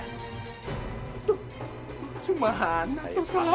aduh cuma hana itu sama